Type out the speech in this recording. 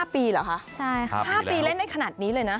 ๕ปีหรอค่ะใช่ค่ะค่ะ๕ปีเล่นได้ขนาดนี้เลยนะ